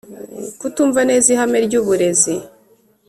kutumva neza ihame ryuburezi